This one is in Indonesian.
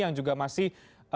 yang juga masih